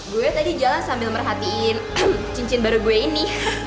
gue tadi jalan sambil merhatiin cincin baru gue ini